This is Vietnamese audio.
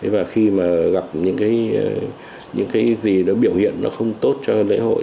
và khi mà gặp những cái gì nó biểu hiện nó không tốt cho lễ hội